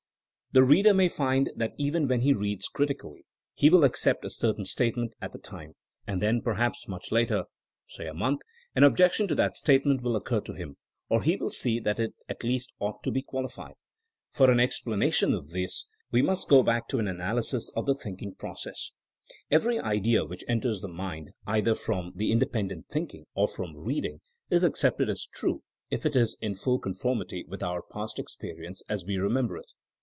The reader may find that even when he reads critically he will accept a certain statement at the time; and then perhaps much later, say a month, an objection to that statement will occur to him, or he will see that it at least ought to be qualified. For an explanation of this we THINEINa AS A 80IEN0E 161 must go back to an analysis of the thinking process. Every idea which enters the mind, either from independent thinking or from read ing, IS accepted as tme if it is in full conformity with onr past experience as we remember it.